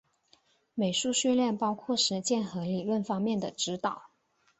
美术训练包括实践和理论方面的指导。